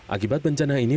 akibat bencana ini